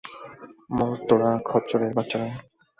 মর তোরা, খচ্চরের বাচ্চারা।